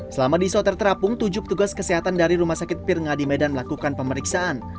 selama di soter terapung tujuh petugas kesehatan dari rumah sakit pirnga di medan melakukan pemeriksaan